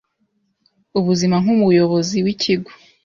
ubuzima nk'umuyobozi w'ikigo.